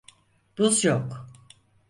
Buz yok.